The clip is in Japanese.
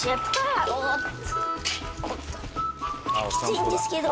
きついんですけど。